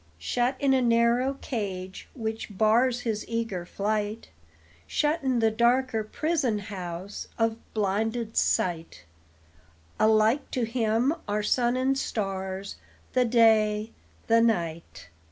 Shut in a narrow cage, which bars His eager flight, Shut in the darker prison house Of blinded sight, Alike to him are sun and stars, The day, the night.